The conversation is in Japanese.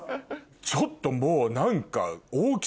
ちょっともう何か。